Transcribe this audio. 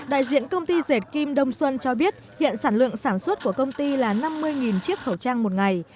đại diện công ty rệt kim đông xuân cho biết hiện sản lượng sản xuất của công ty là năm mươi chiếc khẩu trang một ngày